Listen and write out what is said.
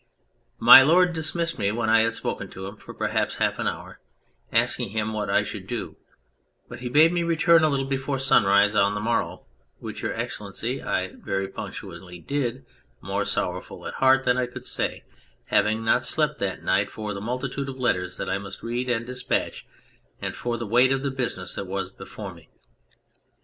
My Lord dismissed me when I had spoken to him for perhaps half an hour, asking him what I should do, but he bade me return a little before sunrise on the morrow, which (Your Excellency) I very punc tually did, more sorrowful at heart than I could say, having not slept that night for the multitude of letters that I must read and dispatch, and for the weight of the business that was before me.